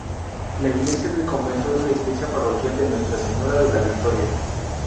La iglesia del convento es la iglesia parroquial de Nuestra Señora de la Victoria.